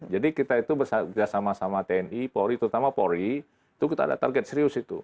jadi kita bersama sama tni polri terutama polri kita ada target serius itu